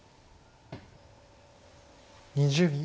２０秒。